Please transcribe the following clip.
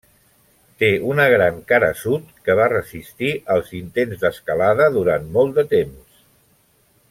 Té una gran cara sud que va resistir als intents d'escalada durant molt de temps.